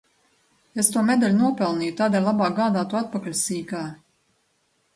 Es to medaļu nopelnīju, tādēļ labāk gādā to atpakaļ, sīkā!